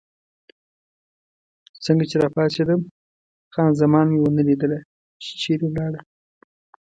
څنګه چې راپاڅېدم، خان زمان مې ونه لیدله، چې چېرې ولاړه.